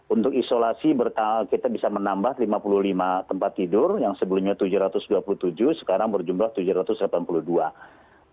untuk isolasi kita bisa menambah lima puluh lima tempat tidur yang sebelumnya tujuh ratus dua puluh tujuh sekarang berjumlah tujuh ratus delapan puluh dua